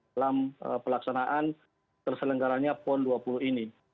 dalam pelaksanaan terselenggaranya pon dua puluh ini